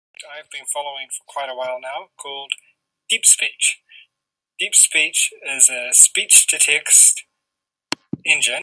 Se desempeña como Escolta.